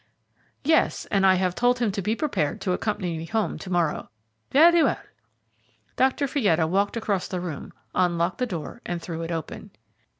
"Yes, and I have told him to be prepared to accompany me home to morrow." "Very well." Dr. Fietta walked across the room, unlocked the door and threw it open.